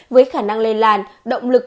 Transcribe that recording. với khả năng lây làn động lực